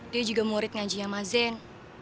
dia juga murid ngaji sama zen